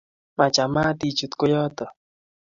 machamat ichuut koyoto